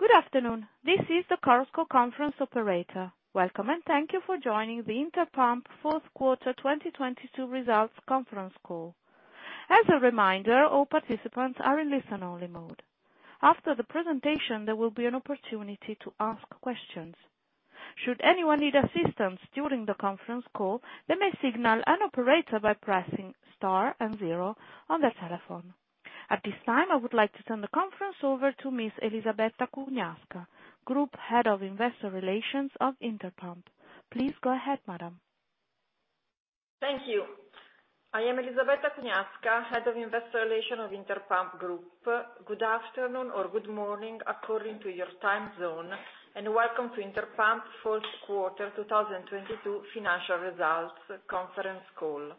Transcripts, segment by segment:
Good afternoon. This is the Chorus Call conference operator. Welcome, and thank you for joining the Interpump Group fourth quarter 2022 results conference call. As a reminder, all participants are in listen-only mode. After the presentation, there will be an opportunity to ask questions. Should anyone need assistance during the conference call, they may signal an operator by pressing star and zero on their telephone. At this time, I would like to turn the conference over to Ms. Elisabetta Cugnasca, Group Head of Investor Relations of Interpump Group. Please go ahead, madam. Thank you. I am Elisabetta Cugnasca, Head of Investor Relations of Interpump Group. Good afternoon or good morning according to your time zone, and welcome to Interpump fourth quarter 2022 financial results conference call.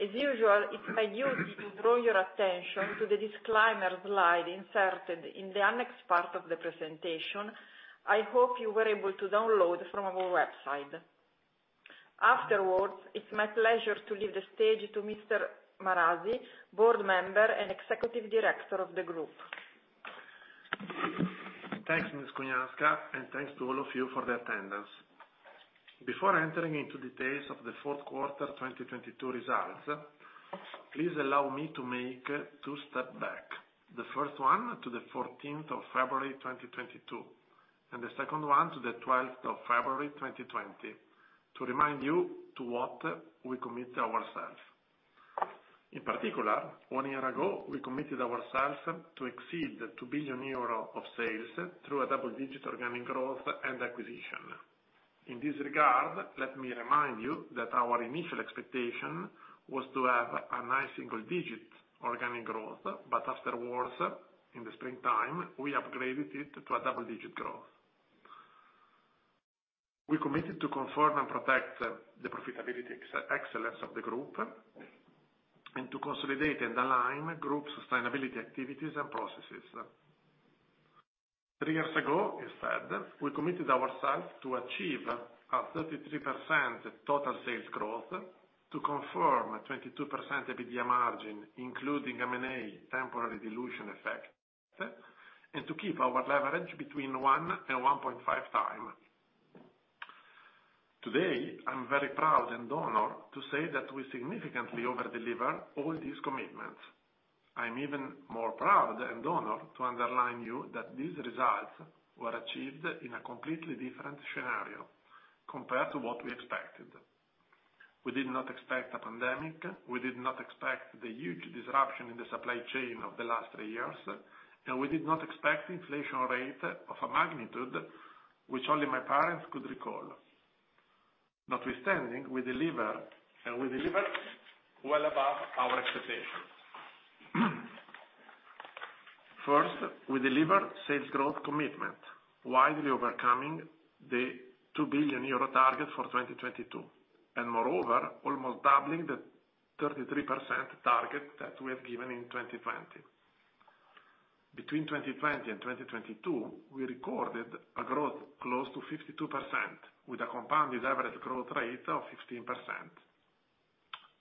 As usual, it's my duty to draw your attention to the disclaimer slide inserted in the annex part of the presentation I hope you were able to download from our website. Afterwards, it's my pleasure to leave the stage to Mr. Marasi, Board Member and Executive Director of the group. Thanks, Ms. Cugnasca. Thanks to all of you for the attendance. Before entering into details of the fourth quarter 2022 results, please allow me to make two step back. The first one to the fourteenth of February, 2022, the second one to the twelfth of February, 2020, to remind you to what we commit ourself. In particular, 1 year ago, we committed ourselves to exceed 2 billion euro of sales through a double-digit organic growth and acquisition. In this regard, let me remind you that our initial expectation was to have a nice single digit organic growth. Afterwards, in the springtime, we upgraded it to a double-digit growth. We committed to confirm and protect the profitability ex-excellence of the Group and to consolidate and align Group sustainability activities and processes. Three years ago, instead, we committed ourselves to achieve a 33% total sales growth to confirm 22% EBITDA margin including M&A temporary dilution effect, and to keep our leverage between 1x and 1.5x. Today, I'm very proud and honored to say that we significantly over-deliver all these commitments. I'm even more proud and honored to underline you that these results were achieved in a completely different scenario compared to what we expected. We did not expect a pandemic, we did not expect the huge disruption in the supply chain of the last three years. We did not expect inflation rate of a magnitude which only my parents could recall. Notwithstanding, we deliver, and we deliver well above our expectations. First, we deliver sales growth commitment, widely overcoming the 2 billion euro target for 2022, and moreover, almost doubling the 33% target that we have given in 2020. Between 2020 and 2022, we recorded a growth close to 52% with a compounded average growth rate of 15%.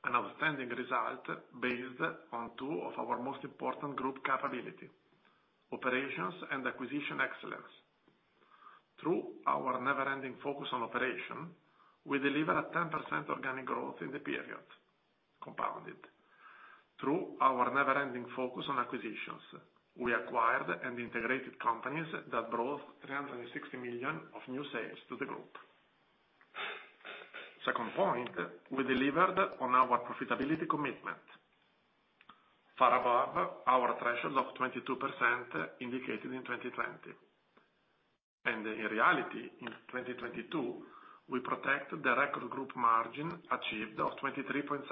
An outstanding result based on two of our most important group capability: operations and acquisition excellence. Through our never-ending focus on operation, we deliver a 10% organic growth in the period compounded. Through our never-ending focus on acquisitions, we acquired and integrated companies that brought 360 million of new sales to the group. Second point, we delivered on our profitability commitment far above our threshold of 22% indicated in 2020. In reality, in 2022, we protect the record group margin achieved of 23.7%.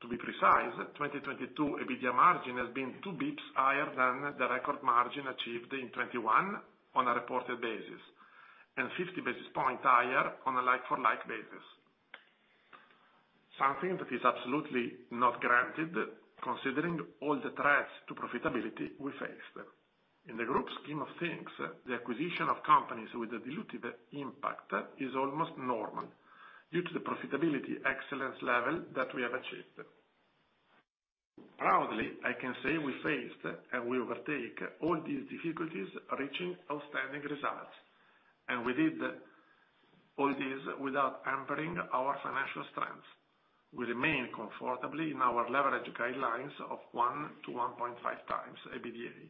To be precise, 2022 EBITDA margin has been 2 bips higher than the record margin achieved in 2021 on a reported basis, and 50 basis points higher on a like-for-like basis. Something that is absolutely not granted considering all the threats to profitability we faced. In the group scheme of things, the acquisition of companies with a dilutive impact is almost normal due to the profitability excellence level that we have achieved. Proudly, I can say we faced and we overtake all these difficulties reaching outstanding results, and we did all this without hampering our financial strengths. We remain comfortably in our leverage guidelines of 1-1.5x EBITDA.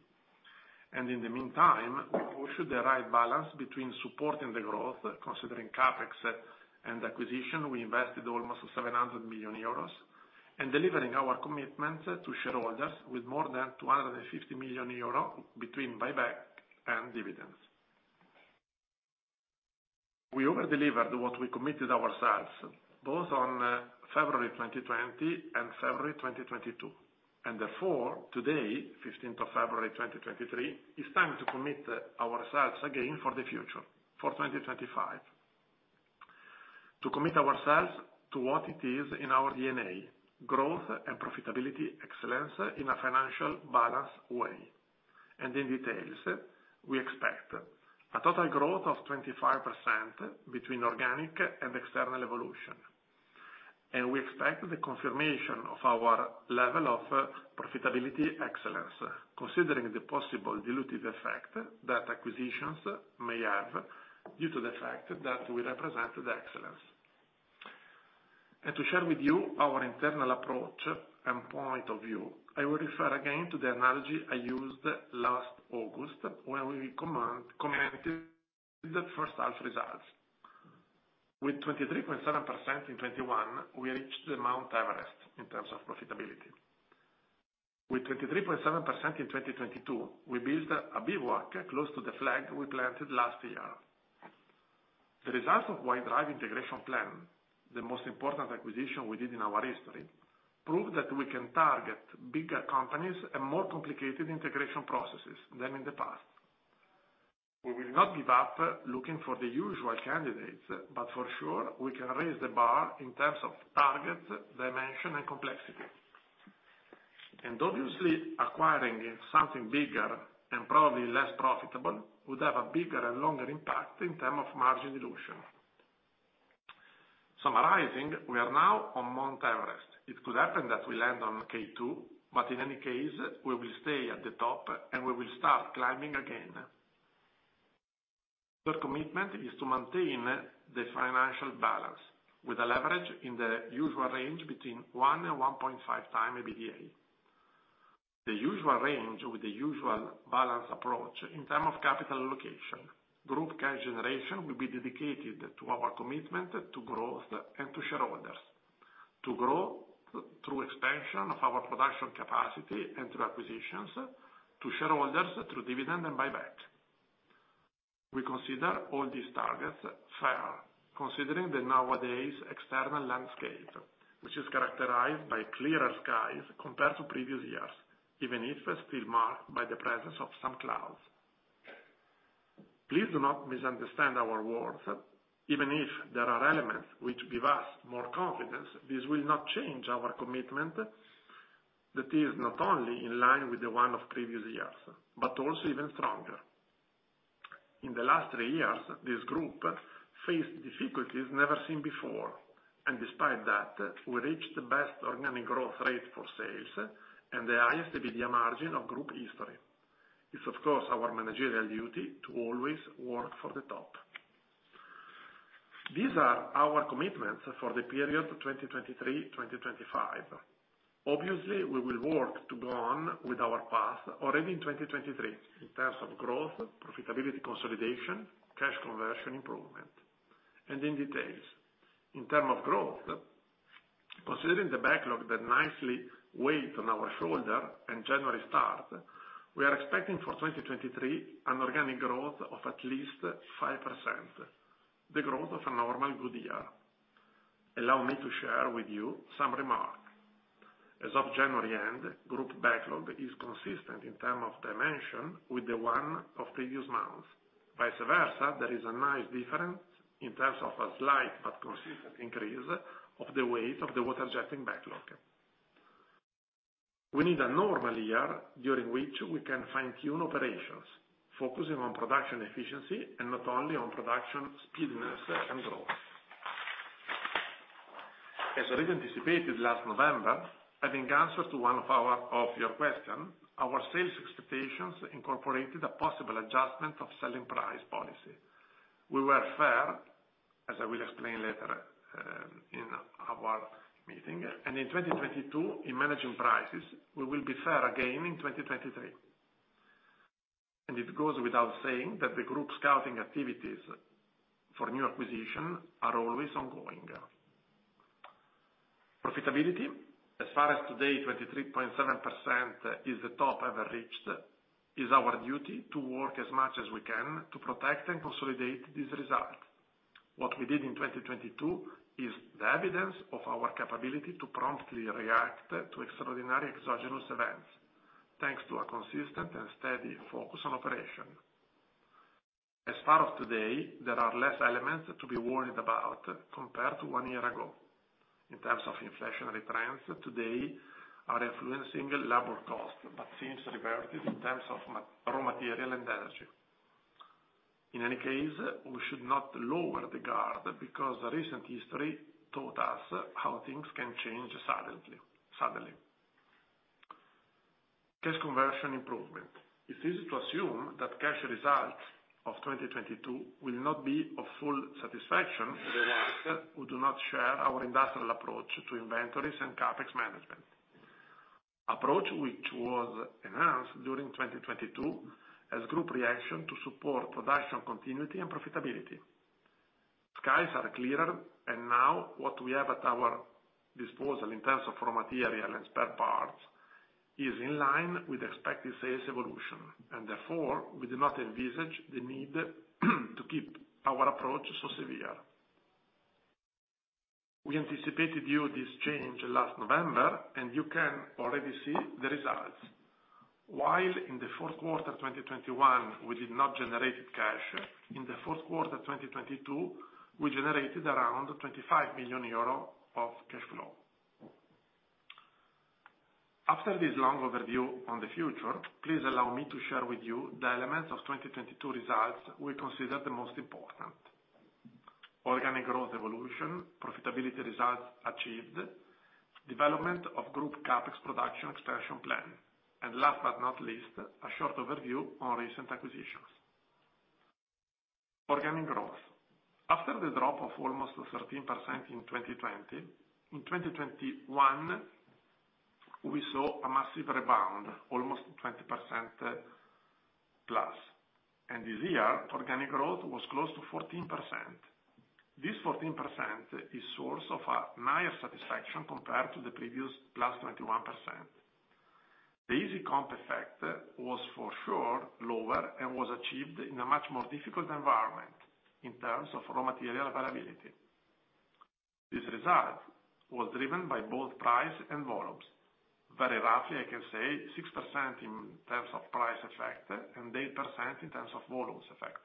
In the meantime, we push the right balance between supporting the growth, considering CapEx and acquisition, we invested almost 700 million euros, and delivering our commitment to shareholders with more than 250 million euros between buyback and dividends. We over-delivered what we committed ourselves, both on February 2020 and February 2022, therefore today, 15th of February, 2023, it's time to commit ourselves again for the future, for 2025. To commit ourselves to what it is in our D&A, growth and profitability excellence in a financial balanced way. In details, we expect a total growth of 25% between organic and external evolution. We expect the confirmation of our level of profitability excellence, considering the possible dilutive effect that acquisitions may have due to the fact that we represent the excellence. To share with you our internal approach and point of view, I will refer again to the analogy I used last August when we commented the first half results. With 23.7% in 2021, we reached the Mount Everest in terms of profitability. With 23.7% in 2022, we built a bivouac close to the flag we planted last year. The results of White Drive integration plan, the most important acquisition we did in our history, proved that we can target bigger companies and more complicated integration processes than in the past. We will not give up looking for the usual candidates, but for sure, we can raise the bar in terms of target, dimension, and complexity. Obviously, acquiring something bigger and probably less profitable would have a bigger and longer impact in term of margin dilution. Summarizing, we are now on Mount Everest. It could happen that we land on K2. In any case, we will stay at the top and we will start climbing again. Third commitment is to maintain the financial balance with a leverage in the usual range between 1 and 1.5 times EBITDA. The usual range with the usual balance approach in terms of capital allocation. Group cash generation will be dedicated to our commitment to growth and to shareholders. To grow through expansion of our production capacity and through acquisitions, to shareholders through dividend and buyback. We consider all these targets fair, considering that nowadays external landscape, which is characterized by clearer skies compared to previous years, even if still marked by the presence of some clouds. Please do not misunderstand our words. Even if there are elements which give us more confidence, this will not change our commitment that is not only in line with the one of previous years, but also even stronger. In the last three years, this group faced difficulties never seen before, despite that, we reached the best organic growth rate for sales and the highest EBITDA margin of group history. It's of course, our managerial duty to always work for the top. These are our commitments for the period 2023, 2025. Obviously, we will work to go on with our path already in 2023 in terms of growth, profitability consolidation, cash conversion improvement. In details, in term of growth, considering the backlog that nicely weighed on our shoulder and January start, we are expecting for 2023 an organic growth of at least 5%, the growth of a normal good year. Allow me to share with you some remark. As of January end, group backlog is consistent in term of dimension with the one of previous months. Vice versa, there is a nice difference in terms of a slight but consistent increase of the weight of the Water-Jetting backlog. We need a normal year during which we can fine-tune operations, focusing on production efficiency and not only on production speediness and growth. As already anticipated last November, adding answers to one of your question, our sales expectations incorporated a possible adjustment of selling price policy. We were fair, as I will explain later, in our meeting. In 2022, in managing prices, we will be fair again in 2023. It goes without saying that the group scouting activities for new acquisition are always ongoing. Profitability, as far as today, 23.7% is the top ever reached. It's our duty to work as much as we can to protect and consolidate this result. What we did in 2022 is the evidence of our capability to promptly react to extraordinary exogenous events, thanks to a consistent and steady focus on operation. As part of today, there are less elements to be worried about compared to one year ago. In terms of inflationary trends today are influencing labor cost, seems reverted in terms of raw material and energy. In any case, we should not lower the guard because the recent history taught us how things can change suddenly. Cash conversion improvement. It's easy to assume that cash result of 2022 will not be of full satisfaction for those who do not share our industrial approach to inventories and CapEx management. Approach which was enhanced during 2022 as Group reaction to support production continuity and profitability. Skies are clearer. Now what we have at our disposal in terms of raw material and spare parts is in line with expected sales evolution. Therefore, we do not envisage the need to keep our approach so severe. We anticipated you this change last November. You can already see the results. While in the fourth quarter 2021, we did not generate cash, in the fourth quarter 2022, we generated around 25 million euro of cash flow. After this long overview on the future, please allow me to share with you the elements of 2022 results we consider the most important. Organic growth evolution, profitability results achieved, development of Group CapEx production expansion plan. Last but not least, a short overview on recent acquisitions. Organic growth. After the drop of almost 13% in 2020, in 2021, we saw a massive rebound, almost 20%, plus. This year, organic growth was close to 14%. This 14% is source of a higher satisfaction compared to the previous +21%. The easy comp effect was for sure lower and was achieved in a much more difficult environment in terms of raw material availability. This result was driven by both price and volumes. Very roughly, I can say 6% in terms of price effect and 8% in terms of volumes effect.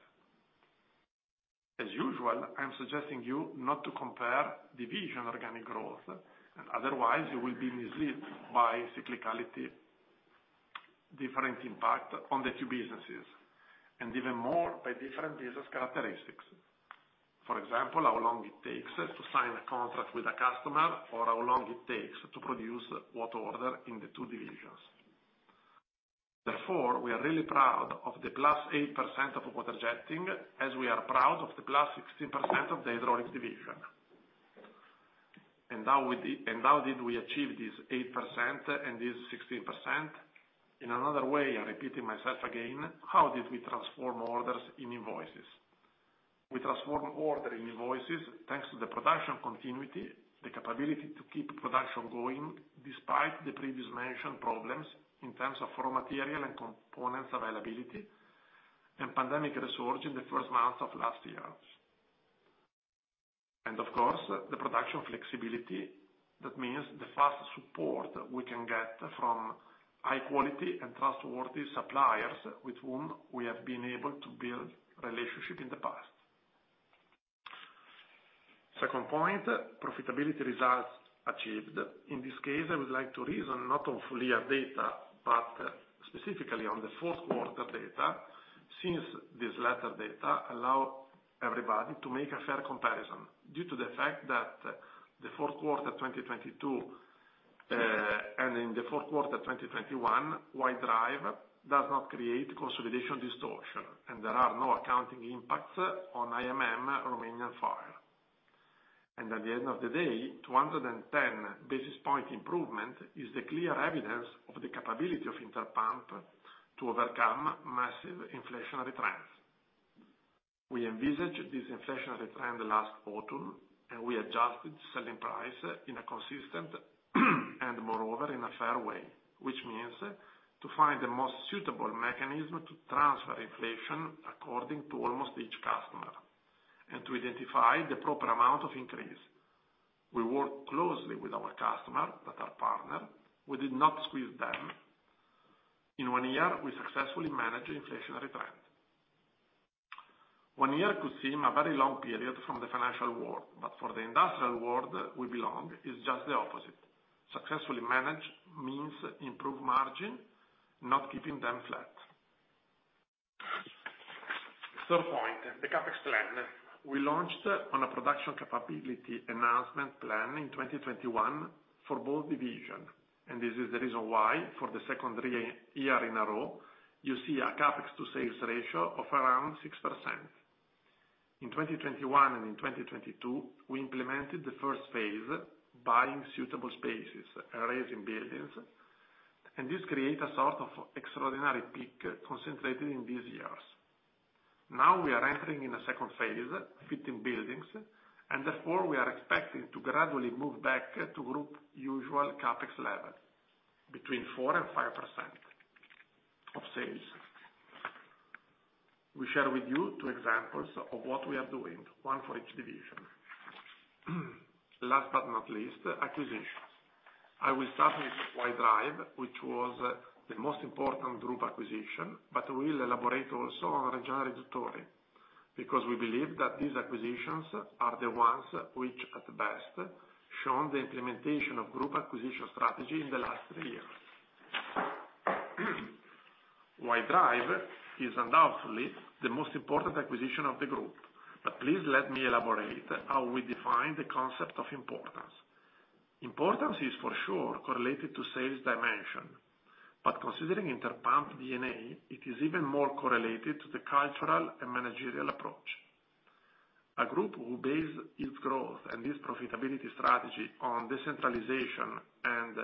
As usual, I'm suggesting you not to compare division organic growth, otherwise you will be misled by cyclicality different impact on the two businesses, and even more by different business characteristics. For example, how long it takes to sign a contract with a customer or how long it takes to produce what order in the two divisions. Therefore, we are really proud of the +8% of Water-Jetting, as we are proud of the +16% of the Hydraulics division. How did we achieve this 8% and this 16%? In another way, I'm repeating myself again, how did we transform orders in invoices? We transform order in invoices thanks to the production continuity, the capability to keep production going despite the previous mentioned problems in terms of raw material and components availability, and pandemic resource in the first months of last year. Of course, the production flexibility, that means the fast support we can get from high quality and trustworthy suppliers with whom we have been able to build relationship in the past. Second point, profitability results achieved. In this case, I would like to reason not on full year data, but specifically on the fourth quarter data, since this latter data allow everybody to make a fair comparison due to the fact that the fourth quarter 2022, and in the fourth quarter 2021, White Drive does not create consolidation distortion, and there are no accounting impacts on IMM Romania file. At the end of the day, 210 basis point improvement is the clear evidence of the capability of Interpump to overcome massive inflationary trends. We envisage this inflationary trend last autumn. We adjusted selling price in a consistent and moreover, in a fair way, which means to find the most suitable mechanism to transfer inflation according to almost each customer, and to identify the proper amount of increase. We work closely with our customer that are partner. We did not squeeze them. In one year, we successfully managed the inflationary trend. One year could seem a very long period from the financial world, for the industrial world we belong, it's just the opposite. Successfully managed means improved margin, not keeping them flat. Third point, the CapEx plan. We launched on a production capability enhancement plan in 2021 for both division. This is the reason why for the second year in a row, you see a CapEx to sales ratio of around 6%. In 2021 and in 2022, we implemented the first phase, buying suitable spaces and raising buildings, this create a sort of extraordinary peak concentrated in these years. Now we are entering in a second phase, fitting buildings, therefore we are expecting to gradually move back to group usual CapEx level between 4% and 5% of sales. We share with you two examples of what we are doing, one for each division. Last but not least, acquisitions. I will start with White Drive, which was the most important group acquisition, we'll elaborate also on Reggiana Riduttori, because we believe that these acquisitions are the ones which, at the best, shown the implementation of group acquisition strategy in the last three years. White Drive is undoubtedly the most important acquisition of the group. Please let me elaborate how we define the concept of importance. Importance is for sure correlated to sales dimension. Considering Interpump D&A, it is even more correlated to the cultural and managerial approach. A group who base its growth and this profitability strategy on decentralization and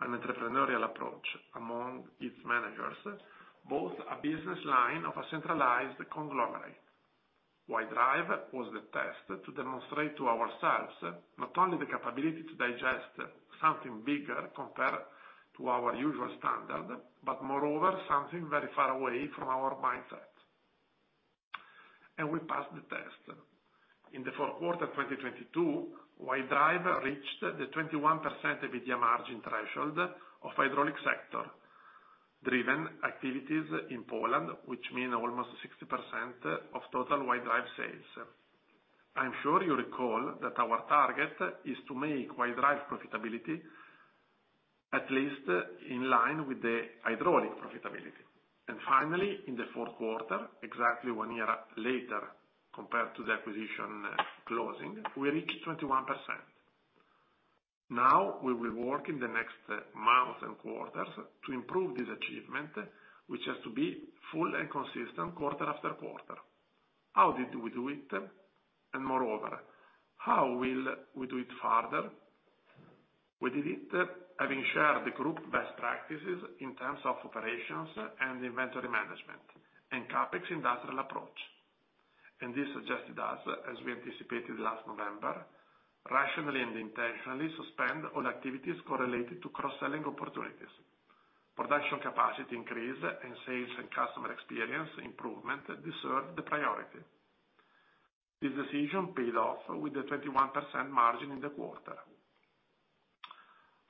an entrepreneurial approach among its managers, both a business line of a centralized conglomerate. White Drive was the test to demonstrate to ourselves not only the capability to digest something bigger compared to our usual standard, but moreover, something very far away from our mindset. We passed the test. In the fourth quarter 2022, White Drive reached the 21% EBITDA margin threshold of hydraulic sectorDriven activities in Poland, which mean almost 60% of total White Drive sales. I'm sure you recall that our target is to make White Drive profitability at least in line with the hydraulic profitability. Finally, in the fourth quarter, exactly one year later compared to the acquisition closing, we reached 21%. Now we will work in the next months and quarters to improve this achievement, which has to be full and consistent quarter after quarter. How did we do it? Moreover, how will we do it further? We did it having shared the group best practices in terms of operations and inventory management and CapEx industrial approach. This suggested us, as we anticipated last November, rationally and intentionally suspend all activities correlated to cross-selling opportunities. Production capacity increase and sales and customer experience improvement deserve the priority. This decision paid off with a 21% margin in the quarter.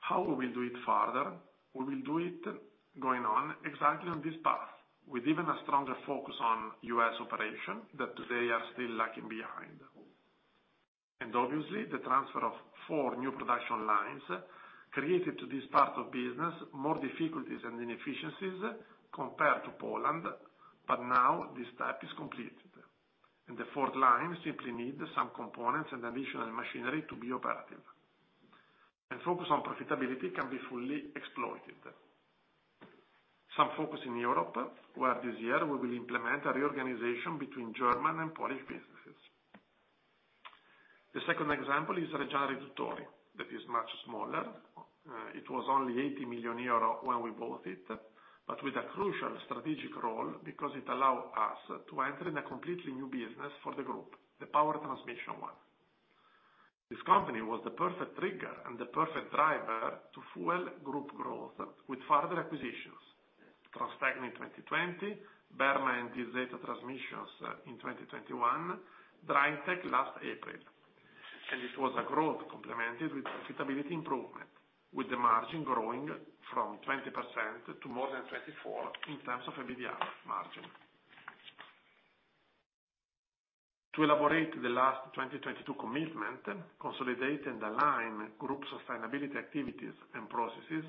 How we will do it further? We will do it going on exactly on this path, with even a stronger focus on U.S. operation that today are still lacking behind. Obviously, the transfer of four new production lines created to this part of business more difficulties and inefficiencies compared to Poland, but now this step is completed. The fourth line simply need some components and additional machinery to be operative. Focus on profitability can be fully exploited. Some focus in Europe, where this year we will implement a reorganization between German and Polish businesses. The second example is Reggiana Riduttori. That is much smaller, it was only 80 million euro when we bought it, but with a crucial strategic role because it allow us to enter in a completely new business for the group, the power transmission one. This company was the perfect trigger and the perfect driver to fuel group growth with further acquisitions. Transtecno in 2020, Berma and DZ Trasmissioni in 2021, Draintech last April. It was a growth complemented with profitability improvement, with the margin growing from 20% to more than 24% in terms of EBITDA margin. To elaborate the last 2022 commitment, consolidate and align group sustainability activities and processes,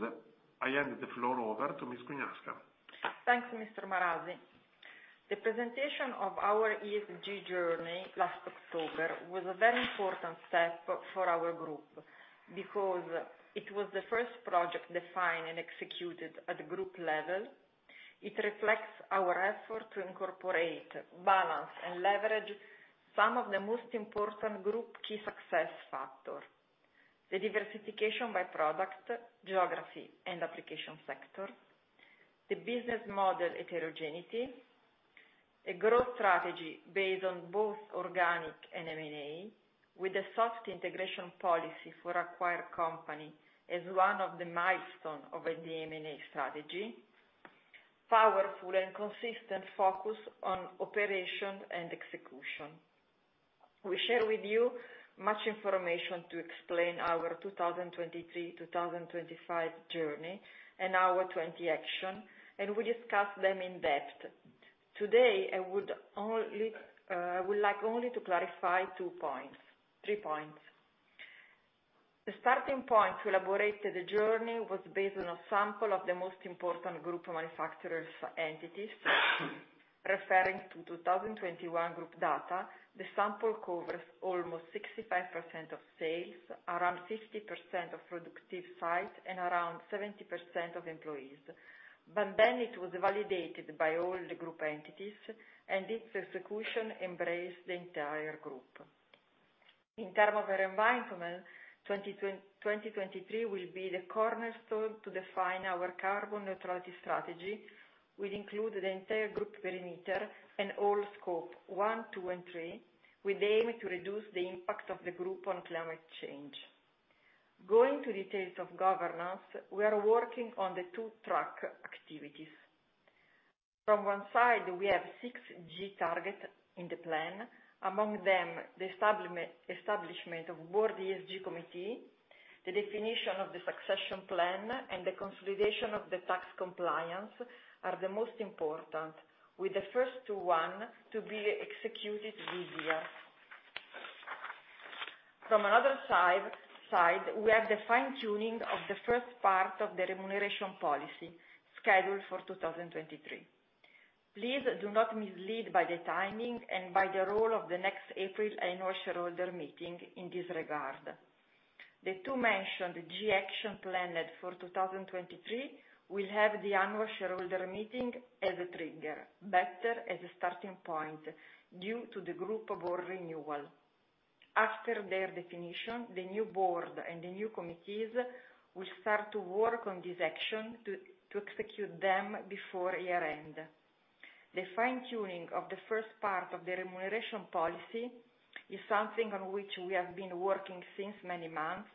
I hand the floor over to Ms. Cugnasca. Thanks, Mr. Marasi. The presentation of our ESG journey last October was a very important step for our group because it was the first project defined and executed at group level. It reflects our effort to incorporate, balance, and leverage some of the most important group key success factor. The diversification by product, geography, and application sector, the business model heterogeneity, a growth strategy based on both organic and M&A, with the soft integration policy for acquired company as one of the milestone of the M&A strategy, powerful and consistent focus on operation and execution. We share with you much information to explain our 2023, 2025 journey and our 20 action, we discuss them in depth. Today, I would like only to clarify three points. The starting point to elaborate the journey was based on a sample of the most important group manufacturers entities. Referring to 2021 group data, the sample covers almost 65% of sales, around 60% of productive site, and around 70% of employees. It was validated by all the group entities, and its execution embraced the entire group. In term of our environment, 2023 will be the cornerstone to define our carbon neutrality strategy, will include the entire group perimeter and all Scope 1, 2, and 3, with aim to reduce the impact of the group on climate change. Going to details of governance, we are working on the 2 track activities. From one side, we have 6 G target in the plan. Among them, the establishment of board ESG committee, the definition of the succession plan, and the consolidation of the tax compliance are the most important, with the first two one to be executed this year. From another side, we have the fine-tuning of the first part of the remuneration policy scheduled for 2023. Please do not mislead by the timing and by the role of the next April annual shareholder meeting in this regard. The two mentioned ESG action planned for 2023 will have the annual shareholder meeting as a trigger, better as a starting point due to the group of our renewal. After their definition, the new board and the new committees will start to work on this action to execute them before year-end. The fine-tuning of the first part of the remuneration policy is something on which we have been working since many months,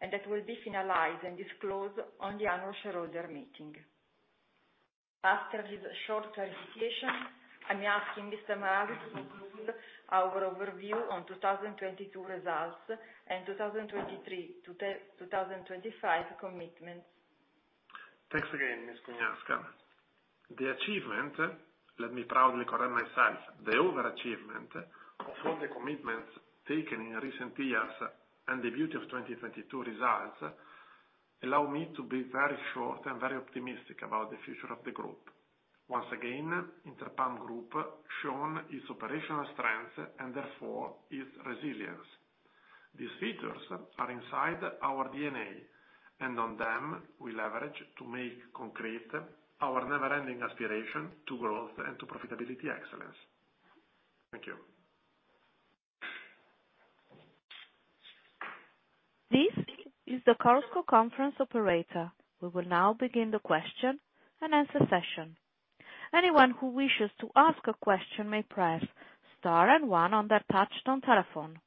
and that will be finalized and disclosed on the annual shareholder meeting. After this short clarification, I'm asking Mr. Marasi to conclude our overview on 2022 results and 2023-2025 commitments. Thanks again, Ms. Cugnasca. The achievement, let me proudly correct myself, the overachievement of all the commitments taken in recent years and the beauty of 2022 results allow me to be very short and very optimistic about the future of the group. Once again, Interpump Group shown its operational strength and therefore its resilience. These features are inside our D&A, and on them we leverage to make concrete our never-ending aspiration to growth and to profitability excellence. Thank you. This is the Chorus Call conference operator. We will now begin the question and answer session. Anyone who wishes to ask a question may press star and one on their touch-tone telephone.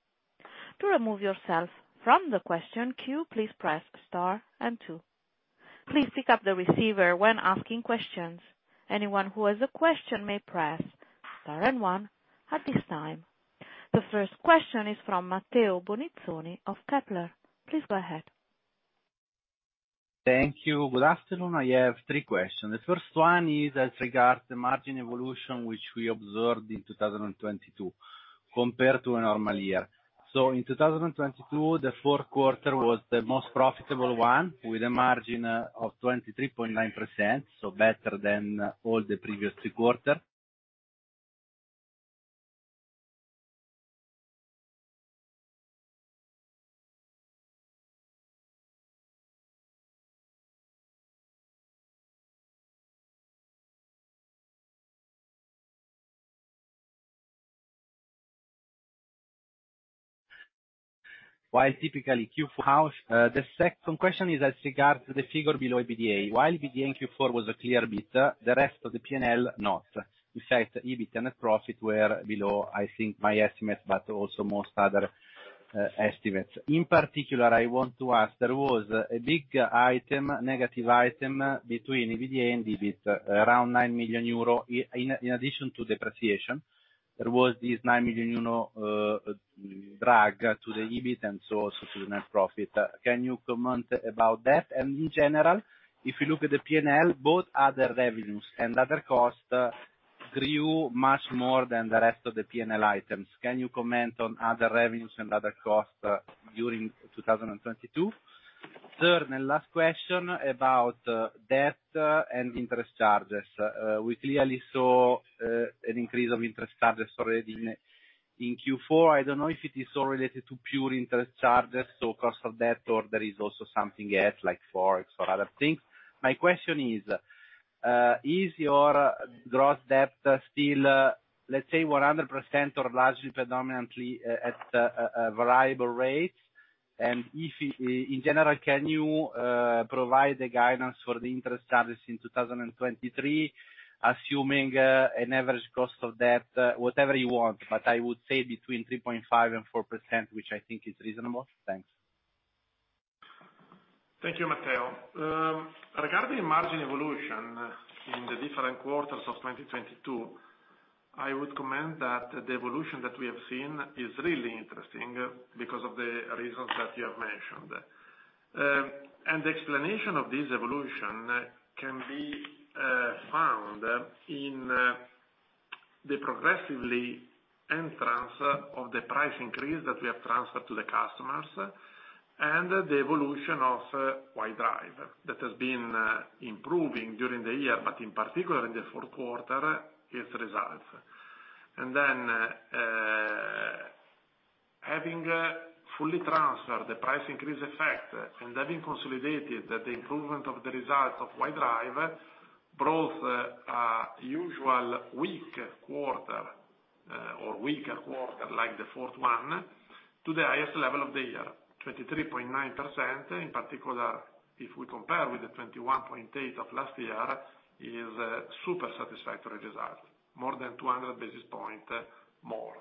To remove yourself from the question queue, please press star and two. Please pick up the receiver when asking questions. Anyone who has a question may press star and one at this time. The first question is from Matteo Bonizzoni of Kepler. Please go ahead. Thank you. Good afternoon. I have three questions. The first one is as regards the margin evolution, which we observed in 2022 compared to a normal year. In 2022, the fourth quarter was the most profitable one with a margin of 23.9%, better than all the previous three quarter. Typically Q4. Some question is as regard to the figure below EBITDA. EBITDA in Q4 was a clear beat, the rest of the P&L not. EBIT and profit were below, I think, my estimate, but also most other estimates. I want to ask, there was a big item, negative item between EBITDA and EBIT, around 9 million euro in addition to depreciation. There was this 9 million euro drag to the EBIT and so also to the net profit. Can you comment about that? In general, if you look at the P&L, both other revenues and other costs grew much more than the rest of the P&L items. Can you comment on other revenues and other costs during 2022? Third and last question about debt and interest charges. We clearly saw an increase of interest charges already in Q4. I don't know if it is all related to pure interest charges, so cost of debt or there is also something else like Forex or other things. My question is your gross debt still, let's say 100% or largely predominantly at a variable rate? In general, can you provide the guidance for the interest charges in 2023, assuming an average cost of debt, whatever you want, but I would say between 3.5% and 4%, which I think is reasonable? Thanks. Thank you, Matteo. Regarding margin evolution in the different quarters of 2022, I would comment that the evolution that we have seen is really interesting because of the reasons that you have mentioned. The explanation of this evolution can be found in the progressively entrance of the price increase that we have transferred to the customers and the evolution of White Drive that has been improving during the year, but in particular in the fourth quarter, its results. Having fully transferred the price increase effect and having consolidated the improvement of the results of White Drive brought a usual weak quarter, or weaker quarter like the fourth one to the highest level of the year, 23.9%. In particular, if we compare with the 21.8 of last year is a super satisfactory result, more than 200 basis point more.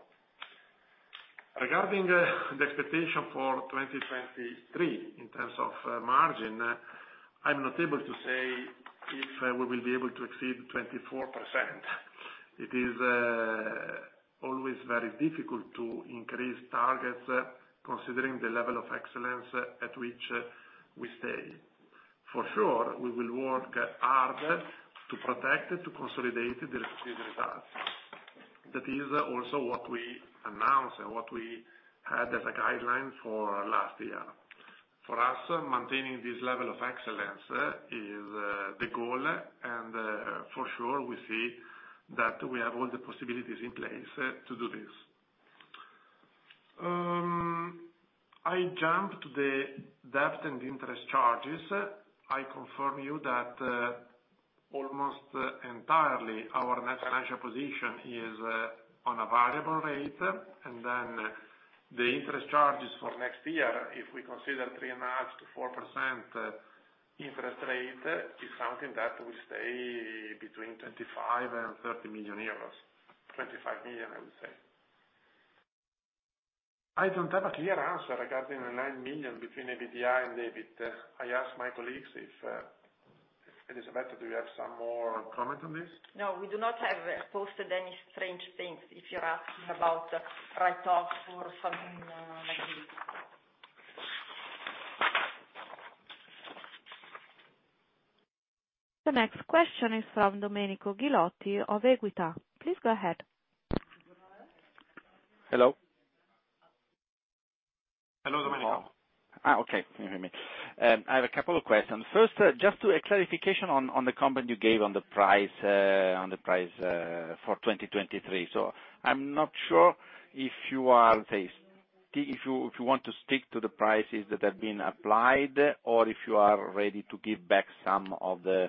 Regarding the expectation for 2023 in terms of margin, I'm not able to say if we will be able to exceed 24%. It is always very difficult to increase targets considering the level of excellence at which we stay. For sure, we will work harder to protect, to consolidate the previous results. That is also what we announced and what we had as a guideline for last year. For us, maintaining this level of excellence is the goal and for sure we see that we have all the possibilities in place to do this. I jump to the debt and interest charges. I confirm you that, almost entirely our net financial position is, on a variable rate. The interest charges for next year, if we consider 3.5%-4% interest rate, is something that will stay between 25 million and 30 million euros. 25 million, I would say. I don't have a clear answer regarding the 9 million between EBITDA and EBIT. I ask my colleagues if... Elisabetta, do you have some more comment on this? No, we do not have posted any strange things, if you're asking about write-off or something, like this. The next question is from Domenico Ghilotti of Equita. Please go ahead. Hello? Hello, Domenico. Okay. You hear me. I have a couple of questions. First, just to a clarification on the comment you gave on the price, on the price, for 2023. I'm not sure if you are, let's say, if you want to stick to the prices that have been applied or if you are ready to give back some of the,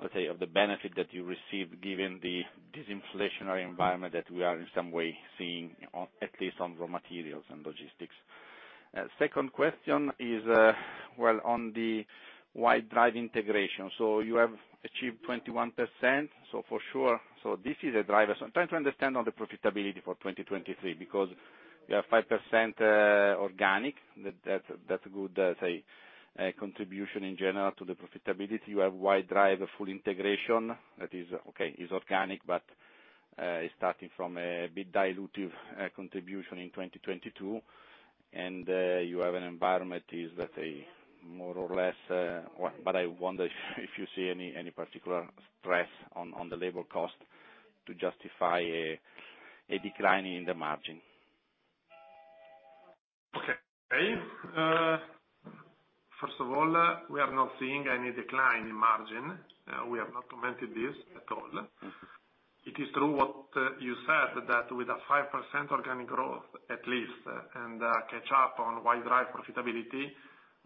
let's say, of the benefit that you received given the disinflationary environment that we are in some way seeing on, at least on raw materials and logistics? Second question is, well, on the White Drive integration. You have achieved 21%, so for sure. This is a driver. I'm trying to understand on the profitability for 2023, because you have 5% organic? That's good, say, contribution in general to the profitability. You have White Drive, a full integration. That is okay. It's organic, but, it's starting from a bit dilutive, contribution in 2022. You have an environment, is that a more or less? I wonder if you see any particular stress on the labor cost to justify a decline in the margin. Okay. First of all, we are not seeing any decline in margin. we have not commented this at all. Mm-hmm. It is true what you said, that with a 5% organic growth, at least, and a catch up on White Drive profitability,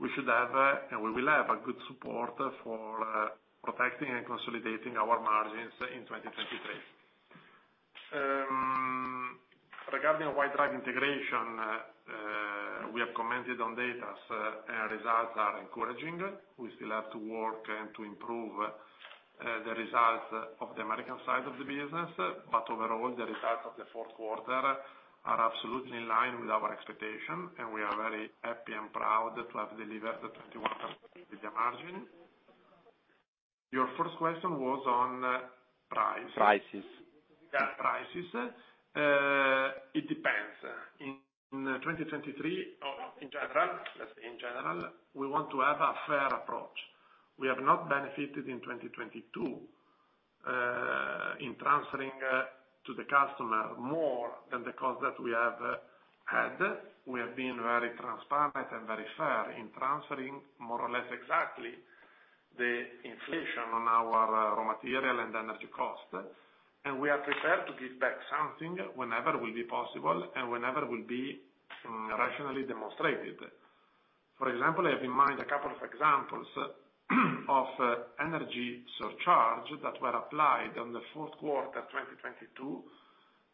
we should have and we will have a good support for protecting and consolidating our margins in 2023. Regarding White Drive integration, we have commented on data, so results are encouraging. We still have to work and to improve the results of the American side of the business. Overall, the results of the fourth quarter are absolutely in line with our expectation, and we are very happy and proud to have delivered the 21% margin. Your first question was on price. Prices. Yeah, prices. It depends. In 2023. In general, let's say in general, we want to have a fair approach. We have not benefited in 2022 in transferring to the customer more than the cost that we have had. We have been very transparent and very fair in transferring more or less exactly the inflation on our raw material and energy cost. We are prepared to give back something whenever will be possible and whenever will be rationally demonstrated. For example, I have in mind a couple of examples of energy surcharge that were applied on the fourth quarter 2022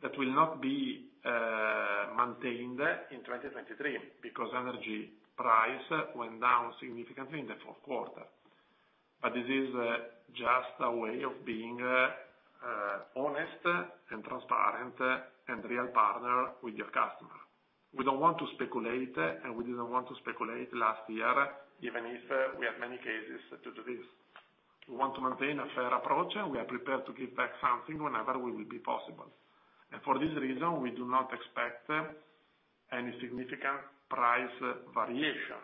that will not be maintained in 2023, because energy price went down significantly in the fourth quarter. This is just a way of being honest and transparent and real partner with your customer. We don't want to speculate, and we didn't want to speculate last year, even if we had many cases to do this. We want to maintain a fair approach, and we are prepared to give back something whenever we will be possible. For this reason, we do not expect any significant price variation.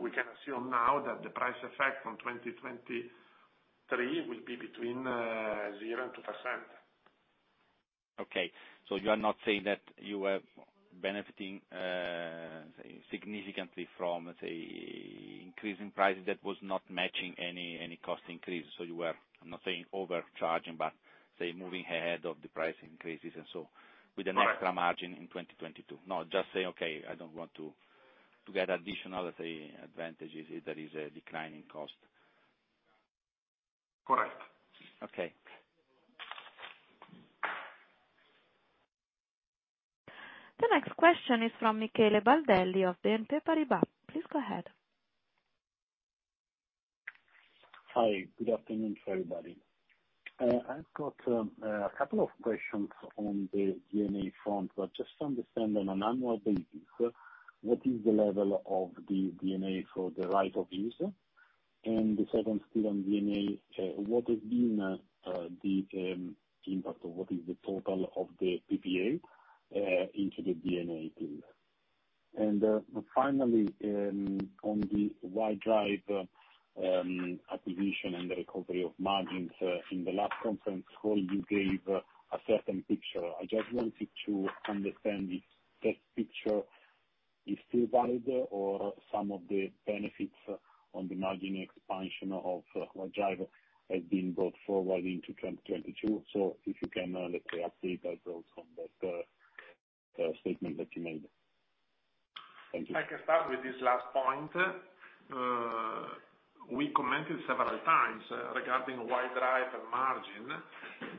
We can assume now that the price effect from 2023 will be between 0% and 2%. Okay. You are not saying that you are benefiting, say, significantly from, say, increasing prices that was not matching any cost increase. You were, I'm not saying overcharging, but say, moving ahead of the price increases and so. Correct. -with an extra margin in 2022. No, just say, "Okay, I don't want to get additional, say, advantages if there is a decline in cost. Correct. Okay. The next question is from Michele Baldelli of BNP Paribas. Please go ahead. Hi. Good afternoon to everybody. I've got a couple of questions on the D&A front. Just to understand on an annual basis, what is the level of the D&A for the right of use? The second still on D&A, what has been the impact or what is the total of the PPA into the D&A deal? Finally, on the White Drive acquisition and the recovery of margins, in the last conference call, you gave a certain picture. I just wanted to understand if that picture is still valid or some of the benefits on the margin expansion of White Drive has been brought forward into 2022. If you can, let's say update us also on that statement that you made. Thank you. I can start with this last point. We commented several times regarding White Drive margin,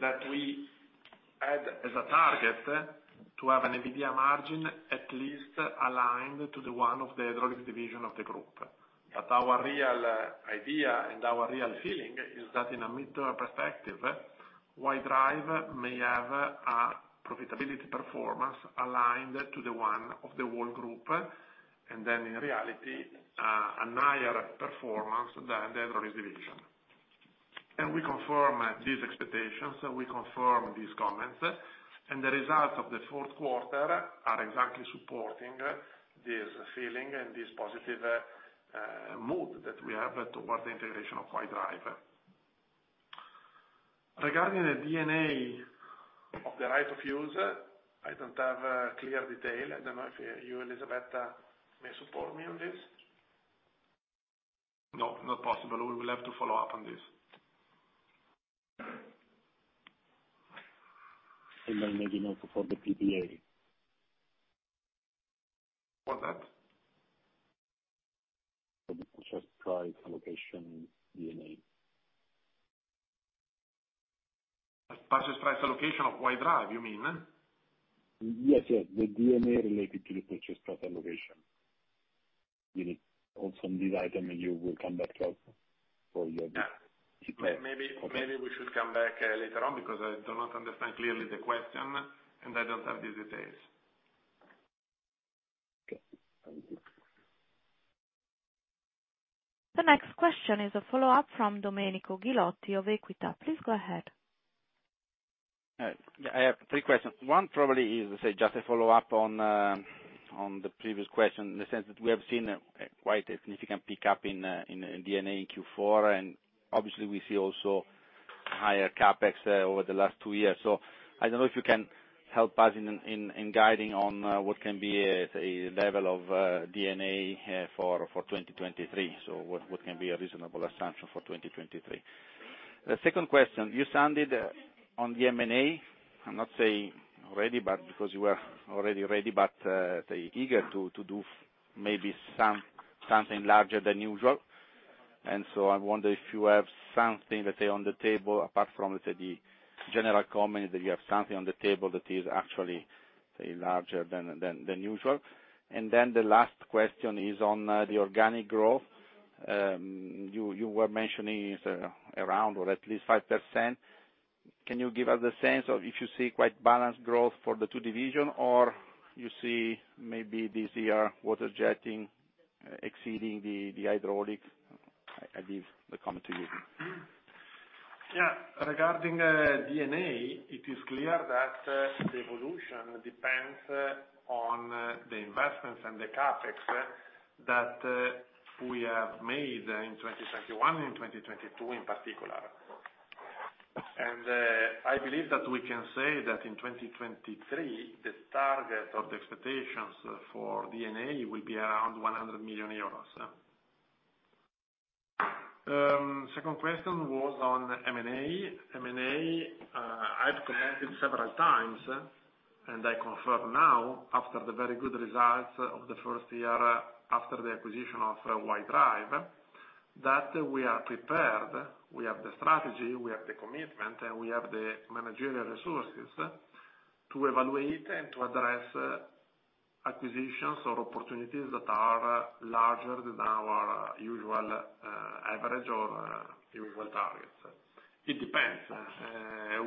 that we had as a target to have an EBITDA margin at least aligned to the one of the Hydraulics division of the group. Our real idea and our real feeling is that in a midterm perspective, White Drive may have a profitability performance aligned to the one of the whole group, in reality, a higher performance than the Hydraulics division. We confirm these expectations, we confirm these comments, and the results of the fourth quarter are exactly supporting this feeling and this positive mood that we have towards the integration of White Drive. Regarding the D&A of the right-of-use, I don't have a clear detail. I don't know if you, Elisabetta, may support me on this. No, not possible. We will have to follow up on this. It may maybe also for the PPA. What's that? The purchase price allocation D&A. Purchase price allocation of White Drive, you mean? Yes, yes. The D&A related to the purchase price allocation. You need also this item, and you will come back to us for your- Yeah. Maybe we should come back later on because I do not understand clearly the question, and I don't have the details. Okay. Thank you. The next question is a follow-up from Domenico Ghilotti of Equita. Please go ahead. Yeah, I have three questions. One probably is, say, just a follow-up on the previous question in the sense that we have seen quite a significant pickup in D&A in Q4, and obviously we see also higher CapEx over the last two years. I don't know if you can help us in guiding on what can be, say, level of D&A for 2023. What can be a reasonable assumption for 2023? The second question, you sounded on the M&A. I'm not saying ready, but because you are already ready, but, say, eager to do something larger than usual. I wonder if you have something that say on the table, apart from, say, the general comment, that you have something on the table that is actually, say, larger than usual. The last question is on the organic growth. You were mentioning it's around or at least 5%. Can you give us a sense of if you see quite balanced growth for the two division or you see maybe this year Water-Jetting exceeding the Hydraulics? I leave the comment to you. Yeah. Regarding D&A, it is clear that the evolution depends on the investments and the CapEx that we have made in 2021 and in 2022 in particular. I believe that we can say that in 2023, the target or the expectations for D&A will be around 100 million euros. Second question was on M&A. M&A, I've commented several times, and I confirm now after the very good results of the first year after the acquisition of White Drive, that we are prepared. We have the strategy, we have the commitment, and we have the managerial resources to evaluate and to address acquisitions or opportunities that are larger than our usual average or usual targets. It depends.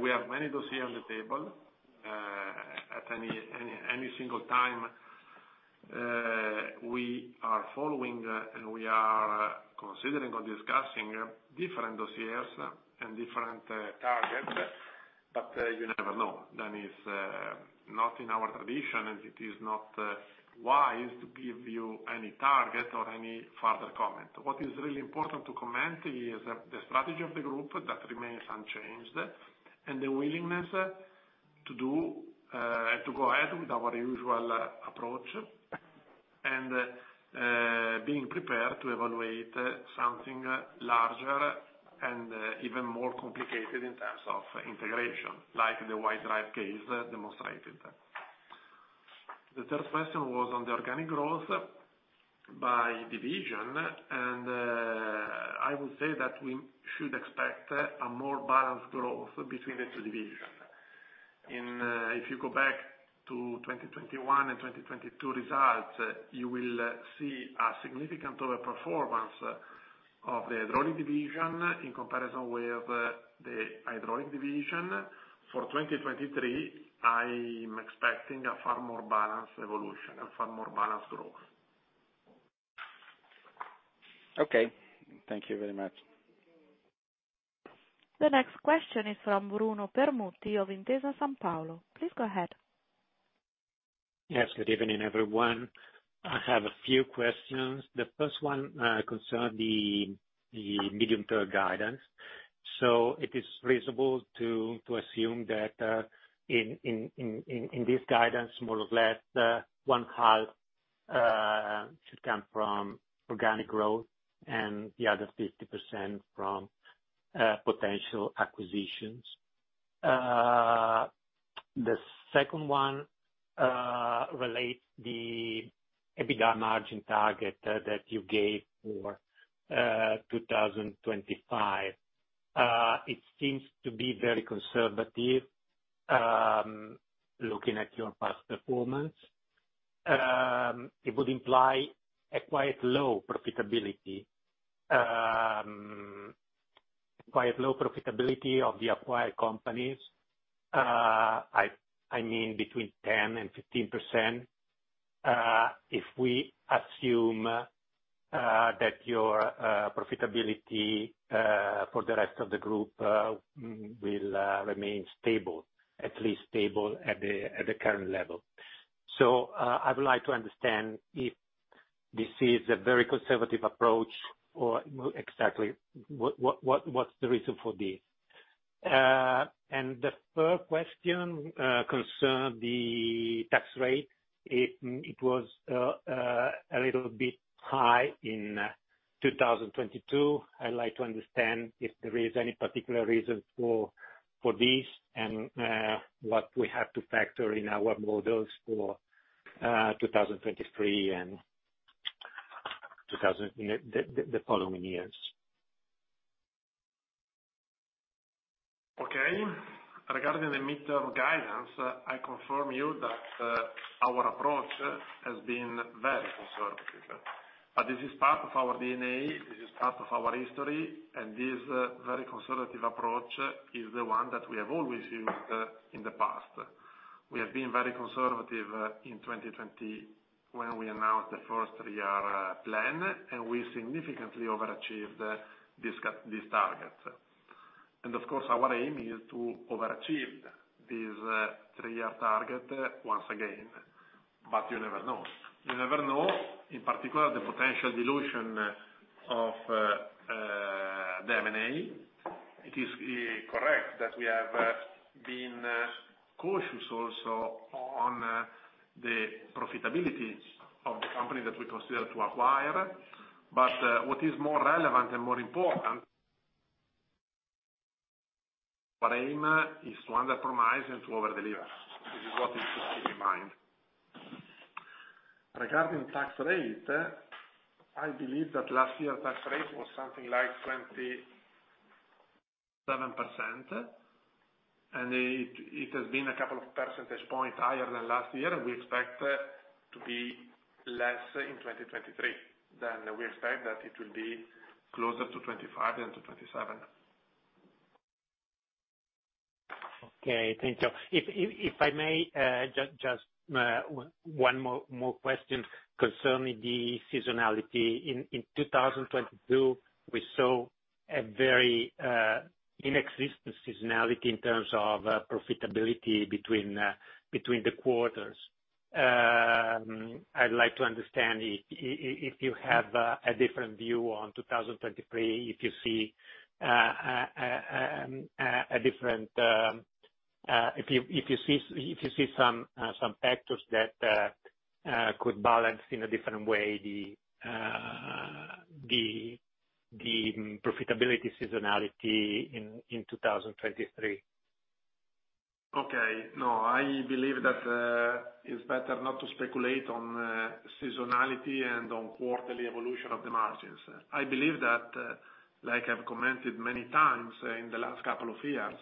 We have many dossier on the table. At any single time, we are following, and we are considering or discussing different dossiers and different targets. You never know. That is not in our tradition, and it is not wise to give you any target or any further comment. What is really important to comment is the strategy of the group that remains unchanged and the willingness to go ahead with our usual approach and being prepared to evaluate something larger and even more complicated in terms of integration, like the White Drive case demonstrated. The third question was on the organic growth by division, I would say that we should expect a more balanced growth between the two divisions. If you go back to 2021 and 2022 results, you will see a significant overperformance of the Hydraulics division in comparison with the Hydraulics division. For 2023, I'm expecting a far more balanced evolution, a far more balanced growth. Okay. Thank you very much. The next question is from Bruno Permutti of Intesa Sanpaolo. Please go ahead. Yes, good evening, everyone. I have a few questions. The first one concerns the medium-term guidance. It is reasonable to assume that in this guidance, more or less, one half should come from organic growth and the other 50% from potential acquisitions. The second one relates the EBITDA margin target that you gave for 2025. It seems to be very conservative, looking at your past performance. It would imply a quite low profitability of the acquired companies, I mean, between 10% and 15%. If we assume that your profitability for the rest of the group will remain stable, at least stable at the current level. I would like to understand if this is a very conservative approach or exactly what's the reason for this? The third question, concern the tax rate. It was a little bit high in 2022. I'd like to understand if there is any particular reason for this and what we have to factor in our models for 2023 and The following years. Okay. Regarding the midterm guidance, I confirm you that our approach has been very conservative. This is part of our D&A, this is part of our history, and this very conservative approach is the one that we have always used in the past. We have been very conservative in 2020, when we announced the first three-year plan, and we significantly overachieved this target. Of course, our aim is to overachieve this three-year target once again. You never know. You never know, in particular, the potential dilution of the M&A. It is correct that we have been cautious also on the profitability of the company that we consider to acquire. What is more relevant and more important, our aim is to compromise and to over-deliver. This is what we should keep in mind. Regarding tax rate, I believe that last year tax rate was something like 27%, and it has been a couple of percentage points higher than last year. We expect to be less in 2023 than we expect that it will be closer to 25 than to 27. Okay. Thank you. If I may, just one more question concerning the seasonality. In 2022, we saw a very inexistent seasonality in terms of profitability between the quarters. I'd like to understand if you have a different view on 2023, if you see some factors that could balance in a different way the profitability seasonality in 2023. Okay. No, I believe that it's better not to speculate on seasonality and on quarterly evolution of the margins. I believe that, like I've commented many times in the last couple of years,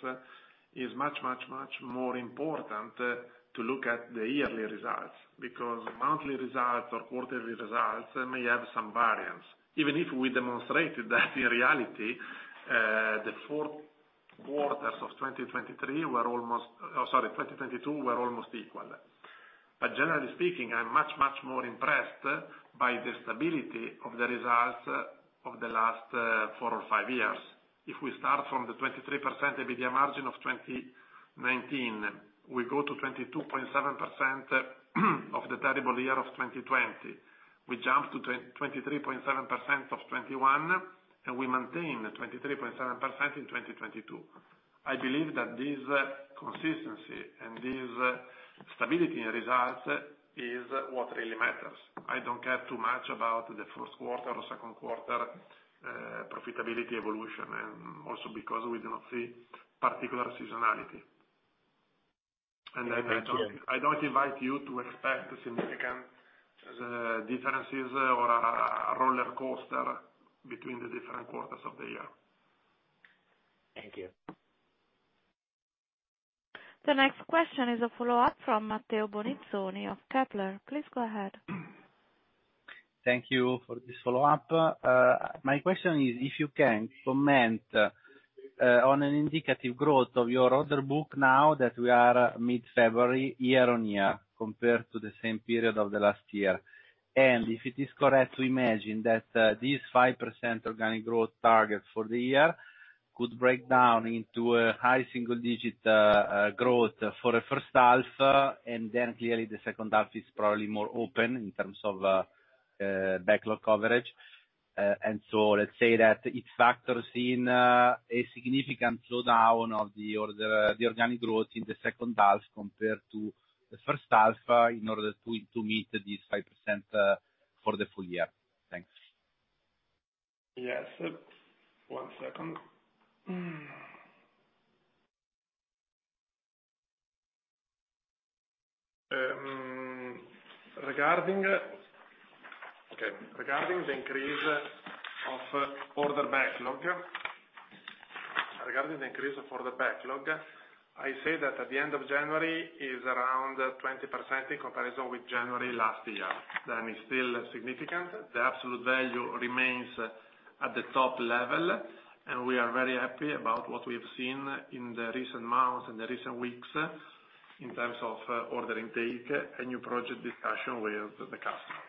is much, much, much more important to look at the yearly results, because monthly results or quarterly results may have some variance. Even if we demonstrated that in reality, the fourth quarters of 2023 were almost... sorry, 2022, were almost equal. Generally speaking, I'm much, much more impressed by the stability of the results of the last 4 or 5 years. If we start from the 23% EBITDA margin of 2019, we go to 22.7% of the terrible year of 2020. We jump to 23.7% of 2021, and we maintain the 23.7% in 2022. I believe that this consistency and this stability in results is what really matters. I don't care too much about the first quarter or second quarter, profitability evolution, and also because we do not see particular seasonality. Thank you. I don't invite you to expect significant differences or a rollercoaster between the different quarters of the year. Thank you. The next question is a follow-up from Matteo Bonizzoni of Kepler. Please go ahead. Thank you for this follow-up. My question is if you can comment on an indicative growth of your order book now that we are mid-February, year-on-year, compared to the same period of the last year. If it is correct to imagine that, this 5% organic growth target for the year could break down into a high single digit growth for the first half, and then clearly the second half is probably more open in terms of backlog coverage. Let's say that it factors in a significant slowdown of the order, the organic growth in the second half compared to the first half, in order to meet this 5% for the full year. Thanks. Yes. One second. Regarding the increase of order backlog, I say that at the end of January is around 20% in comparison with January last year. It's still significant. The absolute value remains at the top level, and we are very happy about what we have seen in the recent months and the recent weeks in terms of order intake, a new project discussion with the customer.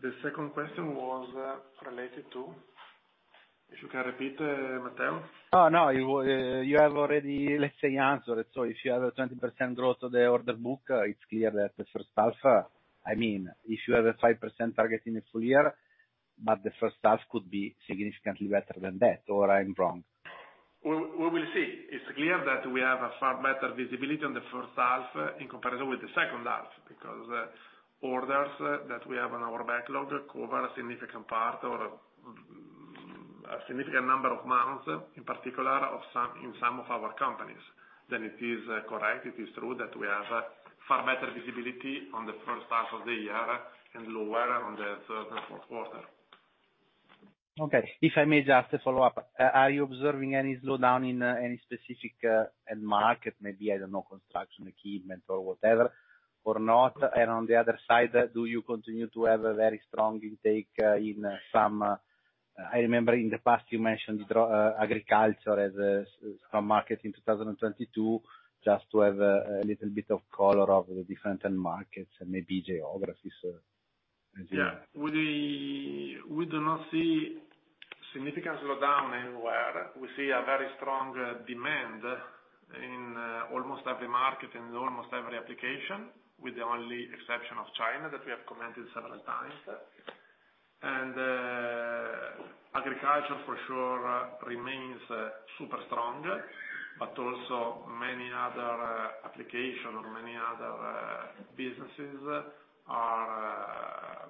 The second question was related to? If you can repeat, Mateo. Oh, no, you have already, let's say, answered. If you have a 20% growth of the order book, it's clear that the first half, I mean, if you have a 5% target in a full year, the first half could be significantly better than that, or I'm wrong? We will see. It's clear that we have a far better visibility on the first half, in comparison with the second half. Orders that we have on our backlog cover a significant part or a significant number of months, in particular of some, in some of our companies, then it is correct, it is true that we have far better visibility on the first half of the year and lower on the third and fourth quarter. Okay. If I may just follow up. Are you observing any slowdown in any specific end market? Maybe, I don't know, construction equipment or whatever, or not. On the other side, do you continue to have a very strong intake in some? I remember in the past you mentioned agriculture as a market in 2022, just to have a little bit of color of the different end markets and maybe geographies as well. Yeah. We do not see significant slowdown anywhere. We see a very strong demand in almost every market, in almost every application, with the only exception of China that we have commented several times. Agriculture for sure remains super strong, but also many other application or many other businesses are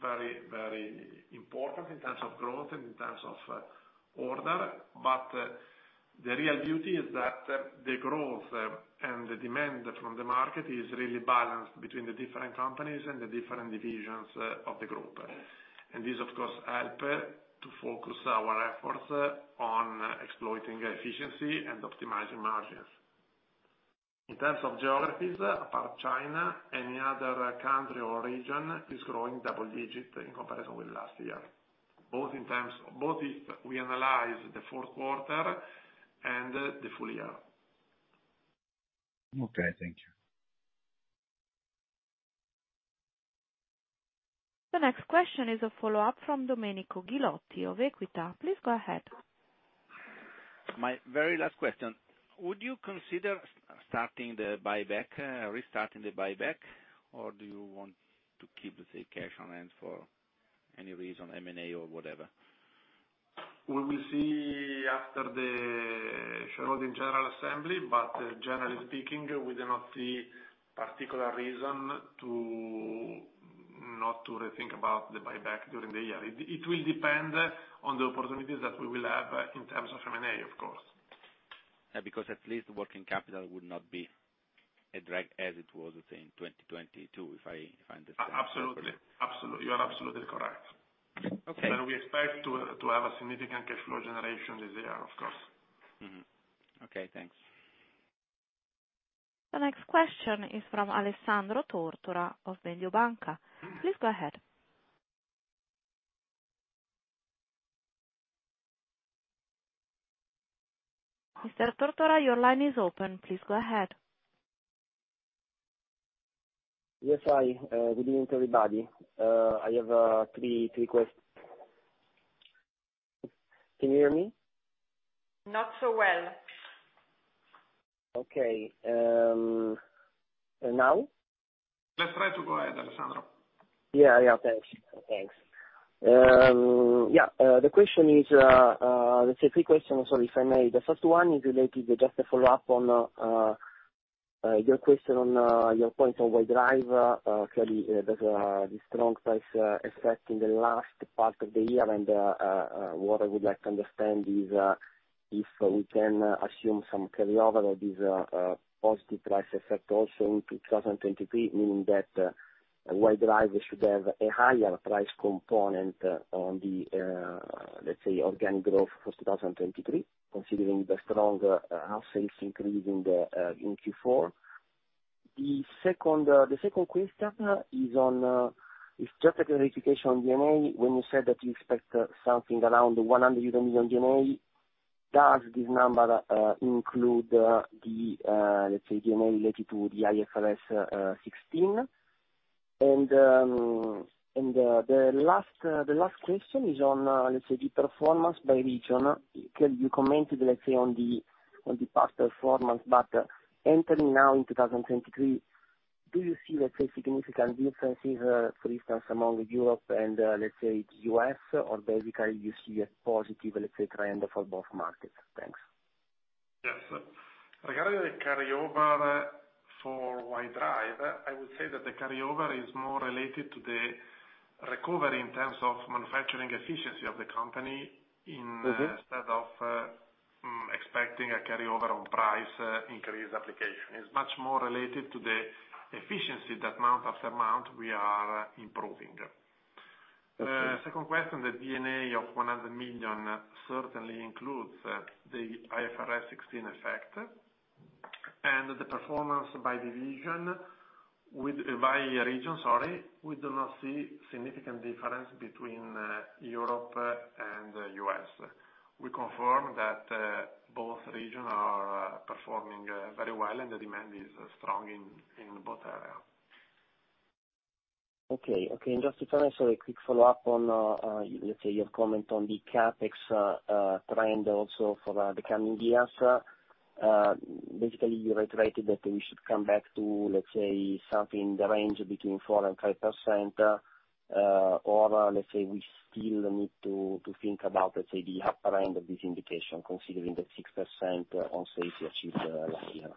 very, very important in terms of growth and in terms of order. The real beauty is that the growth and the demand from the market is really balanced between the different companies and the different divisions of the group. This, of course, help to focus our efforts on exploiting efficiency and optimizing margins. In terms of geographies, apart China, any other country or region is growing double digit in comparison with last year. Both if we analyze the fourth quarter and the full year. Okay, thank you. The next question is a follow-up from Domenico Ghilotti of Equita. Please go ahead. My very last question. Would you consider restarting the buyback, or do you want to keep the same cash on hand for any reason, M&A or whatever? We will see after the shareholder general assembly, generally speaking, we do not see particular reason to not to rethink about the buyback during the year. It will depend on the opportunities that we will have in terms of M&A, of course. At least working capital would not be a drag as it was, let's say, in 2022, if I understand. Absolutely. You are absolutely correct. Okay. We expect to have a significant cash flow generation this year, of course. Mm-hmm. Okay, thanks. The next question is from Alessandro Tortora of Mediobanca. Please go ahead. Mr. Tortora, your line is open. Please go ahead. Yes, hi. Good evening, everybody. I have three. Can you hear me? Not so well. Okay, now? Let's try to go ahead, Alessandro. Yeah. Thanks. The question is, let's say three questions, sorry, if I may. The first one is related just a follow-up on your question on your point on White Drive. Clearly there's a strong price effect in the last part of the year. What I would like to understand is if we can assume some carryover of this positive price effect also into 2023, meaning that White Drive should have a higher price component on the, let's say, organic growth for 2023, considering the strong half sales increase in Q4. The second question is just a clarification on D&A. When you said that you expect something around 100 million euro D&A, does this number include the, let's say, D&A related to the IFRS 16? The last question is on, let's say the performance by region. Can you comment, let's say, on the, on the past performance, but entering now in 2023, do you see, let's say, significant differences, for instance, among Europe and, let's say, U.S. or basically you see a positive, let's say, trend for both markets? Thanks. Regarding the carryover for White Drive, I would say that the carryover is more related to the recovery in terms of manufacturing efficiency of the company. Mm-hmm. Instead of expecting a carryover on price increase application. It's much more related to the efficiency that month after month we are improving. Okay. Second question, the D&A of 100 million certainly includes the IFRS 16 effect. The performance by division By region, sorry, we do not see significant difference between Europe and US. We confirm that both region are performing very well and the demand is strong in both area. Okay. Okay. Just if I may, sorry, quick follow-up on, let's say your comment on the CapEx trend also for the coming years. Basically you reiterated that we should come back to, let's say, something in the range between 4% and 5%, or let's say we still need to think about, let's say, the upper end of this indication considering that 6% on safety achieved last year.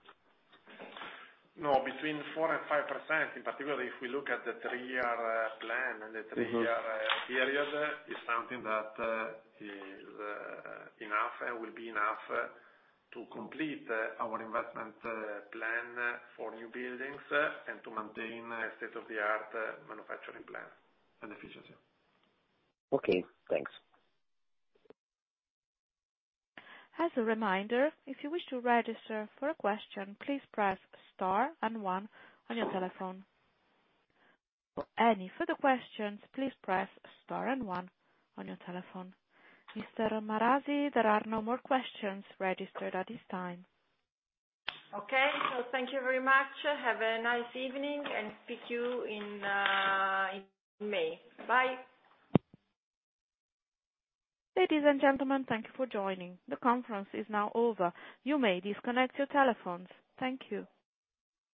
No, between 4% and 5%, in particular, if we look at the 3-year plan and the Mm-hmm. -year, period is something that, is, enough and will be enough, to complete, our investment, plan, for new buildings, and to maintain a state-of-the-art, manufacturing plan and efficiency. Okay, thanks. As a reminder, if you wish to register for a question, please press star and one on your telephone. For any further questions, please press star and one on your telephone. Mr. Marasi, there are no more questions registered at this time. Okay. Thank you very much. Have a nice evening and speak to you in May. Bye. Ladies and gentlemen, thank you for joining. The conference is now over. You may disconnect your telephones. Thank you.